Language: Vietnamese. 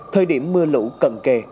thời điểm mưa lũ cần kề